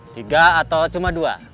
tiga atau cuma dua